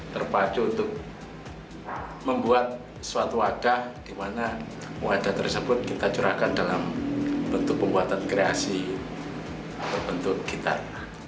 terpacu untuk membuat suatu wadah di mana wadah tersebut kita curahkan dalam bentuk pembuatan kreasi atau bentuk gitar